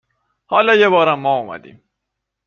حالا یه بارم ما اومدیم